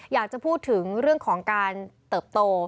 อยากจะพูดถึงเรื่องของการเติบโต